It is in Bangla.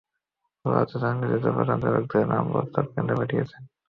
বলা হচ্ছে, তাঁরা নিজেদের পছন্দের লোকদের নাম প্রস্তাব করে কেন্দ্রে পাঠিয়েছেন।